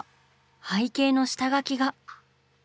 背景の下描きが。